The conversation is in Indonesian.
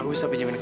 gavita pergi mak